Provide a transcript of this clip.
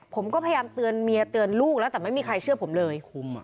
ผมก็พยายามเตือนเมียเตือนลูกแล้วแต่ไม่มีใครเชื่อผมเลย